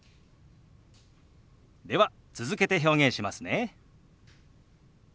では続けて表現しますね。